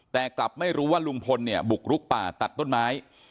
แต่กลับไม่รู้ว่าลุงพลเนี่ยบุกลุกป่าตัดต้นไม้